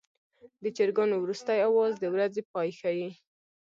د چرګانو وروستی اواز د ورځې پای ښيي.